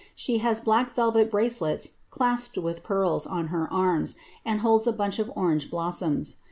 She has black velvet brace lets, clasped with pearls, on her arms, and holds a bunch of orange blossoms.